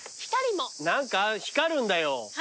何か光るんだよ。